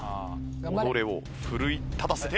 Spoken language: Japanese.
己を奮い立たせて。